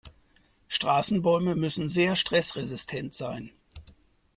Straßenbäume müssen sehr stressresistent sein.